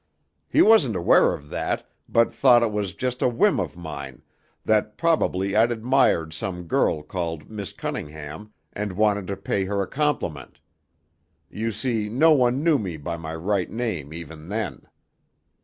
He wasn't aware of that, but thought it was just a whim of mine, that probably I'd admired some girl called 'Miss Cunningham,' and wanted to pay her a compliment. You see, no one knew me by my right name even then.